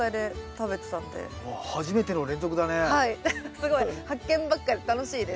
すごい発見ばっかで楽しいです。